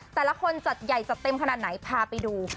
แต่ละคนจัดใหญ่จัดเต็มขนาดไหนพาไปดู